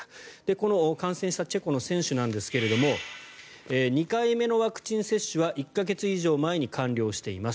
この感染したチェコの選手ですが２回目のワクチン接種は１か月以上前に完了しています。